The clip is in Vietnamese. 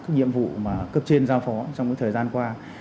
các nhiệm vụ mà cấp trên giao phó trong cái thời gian qua